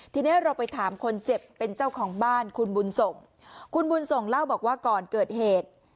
ทีนี้เราไปถามคนเจ็บเป็นเจ้าของบ้านคุณบุญส่งคุณบุญส่งเล่าบอกว่าก่อนเกิดเหตุ